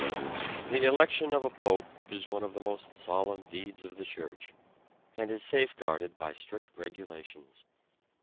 The election of a pope is one of the most solemn deeds of the Church, and is safeguarded by strict regulations.